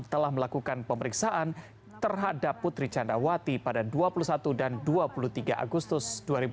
telah melakukan pemeriksaan terhadap putri candrawati pada dua puluh satu dan dua puluh tiga agustus dua ribu dua puluh